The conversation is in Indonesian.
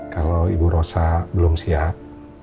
kalau ibu rosa belum siap